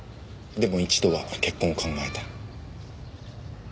でも一度は結婚を考えた。